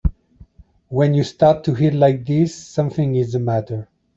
When you start to eat like this something is the matter.